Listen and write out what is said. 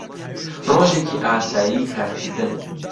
ڕۆژێکی ئاسایی کارکردن